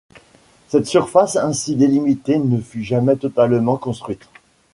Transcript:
Cette surface ainsi délimitée ne fut jamais totalement construite.